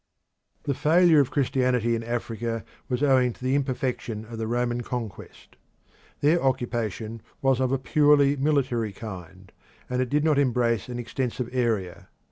The Arabs The failure of Christianity in Africa was owing to the imperfection of the Roman conquest. Their occupation was of a purely military kind, and it did not embrace an extensive area.